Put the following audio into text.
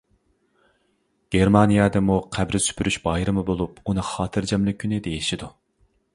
گېرمانىيەدىمۇ قەبرە سۈپۈرۈش بايرىمى بولۇپ، ئۇنى «خاتىرجەملىك كۈنى» دېيىشىدۇ.